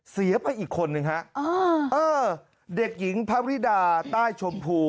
เสียไปอีกคนนึงฮะเออเด็กหญิงพระริดาใต้ชมพู